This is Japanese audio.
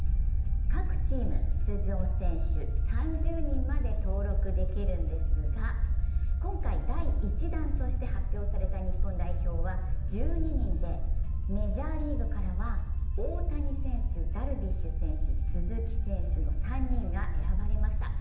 各チーム出場選手３０人まで登録できるんですが、今回、第１弾として発表された日本代表は１２人で、メジャーリーグからは大谷選手、ダルビッシュ選手、鈴木選手の３人が選ばれました。